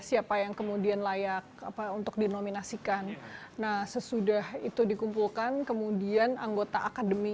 siapa yang kemudian layak apa untuk dinominasikan nah sesudah itu dikumpulkan kemudian anggota akademi